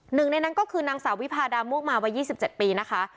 หนึ่งในนั้นก็คือนางสาววิพาดามวกมาวัย๒๗ปีนะคะ